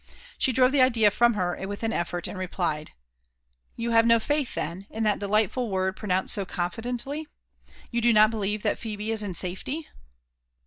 She drove the idea from her with an effort, and re plied —" You have no faith, then, in that delightful word pronounced so confidently ? You do not believe that Phebe is in safety